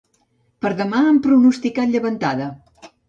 Per demà, han pronosticat llevantada.